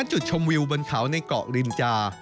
จุดชมวิวบนเขาในเกาะรินจา